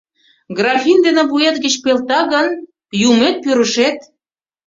— Графин дене вует гыч пелта гын, юмет-пӱрышет!